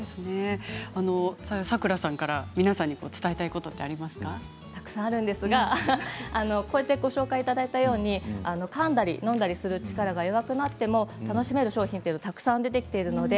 さくらさんから皆さんに伝えたいことはたくさんあるんですがご紹介いただいたようにかんだり飲んだりする力が弱くなっても楽しめる商品がたくさん出てきています。